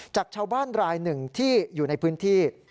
จากชาวบ้านรายหนึ่งที่อยู่ในพื้นที่